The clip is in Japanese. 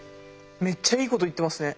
めっちゃいいこと言ってますね。